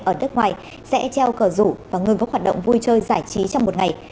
ở nước ngoài sẽ treo cờ rủ và ngừng các hoạt động vui chơi giải trí trong một ngày